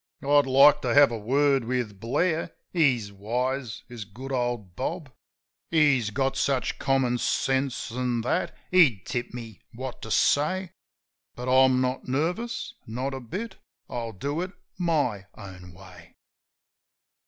I'd like to have a word with Blair — He's wise, is good old Bob. 93 JIM OF THE HILLS He's got such common sense an' that, he'd tip me what to say. But I'm not nervous, not a bit; I'll do it my own way.